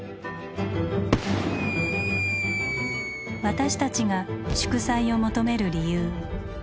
私たちが「祝祭」を求める理由。